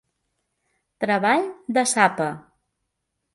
Treball de sapa.